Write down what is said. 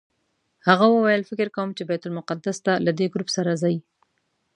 هغه وویل فکر کوم چې بیت المقدس ته له دې ګروپ سره ځئ.